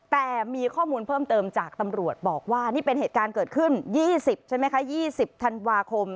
แต่มีข้อมูลเพิ่มเติมจากตำรวจบอกว่านี่เป็นเหตุการณ์เกิดขึ้น๒๐ใช่ไหมคะ๒๐ธันวาคม